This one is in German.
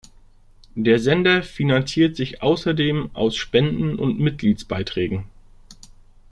Der Sender finanziert sich außerdem aus Spenden und Mitgliedsbeiträgen.